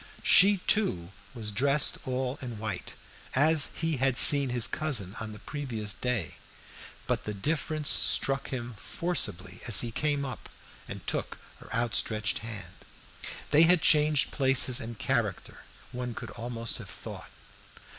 She, too, was dressed all in white, as he had seen his cousin on the previous day; but the difference struck him forcibly as he came up and took her outstretched hand. They had changed places and character, one could almost have thought.